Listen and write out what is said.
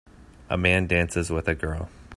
A man dances with a girl.